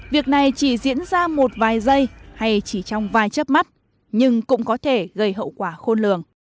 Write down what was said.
việc này chỉ diễn ra một vài giây hay chỉ trong vài chấp mắt nhưng cũng có thể gây hậu quả khôn lường